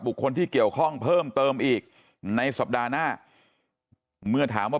คนที่เกี่ยวข้องเพิ่มเติมอีกในสัปดาห์หน้าเมื่อถามว่า